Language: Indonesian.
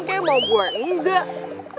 kayaknya mau gue enggak